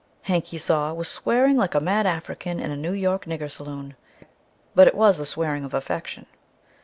Hank, he saw, was swearing like a mad African in a New York nigger saloon; but it was the swearing of "affection."